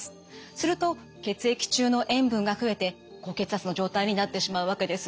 すると血液中の塩分が増えて高血圧の状態になってしまうわけです。